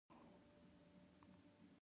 د مخامخ غونډۍ پر سر څو سپاره ولاړ ول.